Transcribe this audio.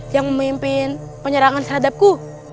yang memimpin penyerangan terhadapku